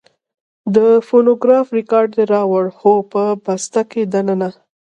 د فونوګراف رېکارډ دې راوړ؟ هو، په بسته کې دننه.